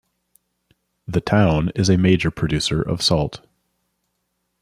The town is a major producer of salt.